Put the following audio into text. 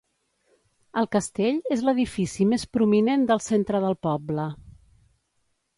El castell és l'edifici més prominent del centre del poble.